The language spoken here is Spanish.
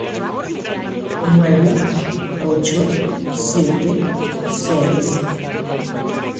Nueve, ocho , siete , seis...